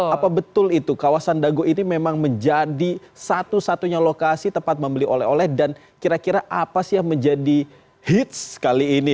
apa betul itu kawasan dago ini memang menjadi satu satunya lokasi tempat membeli oleh oleh dan kira kira apa sih yang menjadi hits kali ini